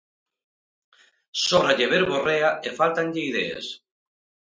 Sóbralle verborrea e fáltanlle ideas.